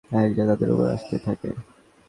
অর্থাৎ আকাশ থেকে একের পর এক যা তাদের উপর আসতে থাকে।